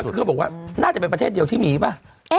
คือเขาบอกว่าน่าจะเป็นประเทศเดียวที่มีป่ะ